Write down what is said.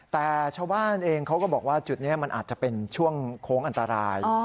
แต่ชาวบ้านเองเขาก็บอกว่าจุดนี้มันอาจจะเป็นช่วงโค้งอันตราย